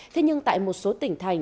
thế nhưng tại một số tỉnh thành